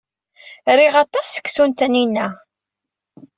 Riɣ aṭas seksu n Taninna.